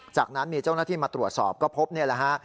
จากนั้นมีเจ้าหน้าที่มาตรวจสอบก็พบนี่แหละฮะ